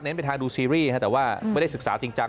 เน้นเป็นทางดูซีรีส์นะครับแต่ว่าไม่ได้ศึกษาจริงจัง